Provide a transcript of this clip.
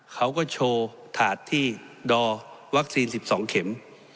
เขาก็โชว์ถาดที่ดอวัคซีน๑๒เข็ม